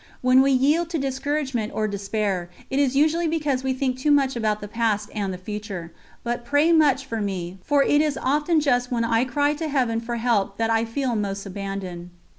When we yield to discouragement or despair, it is usually because we think too much about the past and the future. But pray much for me, for it is often just when I cry to Heaven for help that I feel most abandoned."